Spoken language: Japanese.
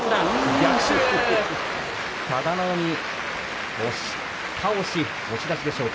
逆襲、佐田の海押し倒し、押し出しでしょうか。